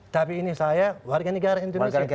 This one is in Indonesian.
tapi ini saya warga negara indonesia